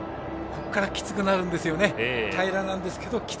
ここからきつくなるんですよね。